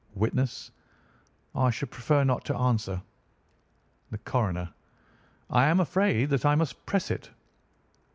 "Witness: I should prefer not to answer. "The Coroner: I am afraid that I must press it.